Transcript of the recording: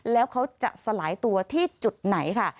แล้วเขาจะสลายตัวที่จุดไหนค่ะ